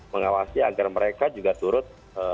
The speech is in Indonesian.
mengawasi agar mereka juga turut